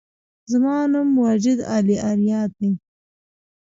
زما نوم واجد علي آریا دی